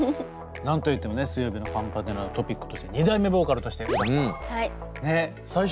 何と言ってもね水曜日のカンパネラのトピックとして２代目ボーカルとして詩羽さん。